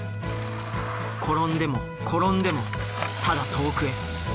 転んでも転んでもただ遠くへ。